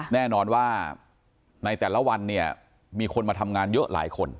แน่นอนว่าในแต่ละวันเนี่ยมีคนมาทำงานเยอะหลายคน